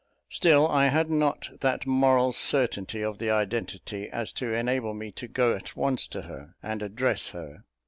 Still I had not that moral certainty of the identity, as to enable me to go at once to her, and address her.